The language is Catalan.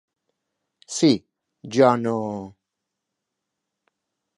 Sí, jo no...